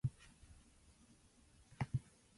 They are all only faking insanity.